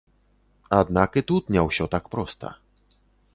Аднак і тут не ўсё так проста.